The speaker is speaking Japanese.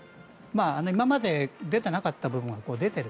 今まで出てなかったものが出てる。